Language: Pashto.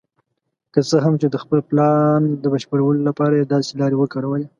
که څه هم چې د خپل پلان د بشپړولو لپاره یې داسې لارې وکارولې.